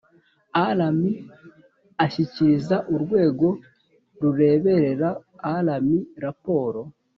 Rmi ashyikiriza urwego rureberera rmi raporo